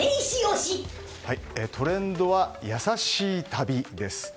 トレンドは優しい旅です。